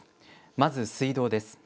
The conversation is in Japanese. まず水道です。